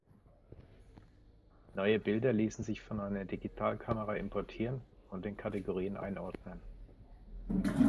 Neue Bilder ließen sich von einer Digitalkamera importieren und in Kategorien einordnen.